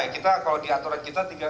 kita kalau di aturan kita tiga kali